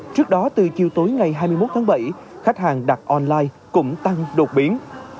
trước đó từ chiều tối ngày hai mươi một tháng bảy khách hàng đặt online cũng tăng đột biến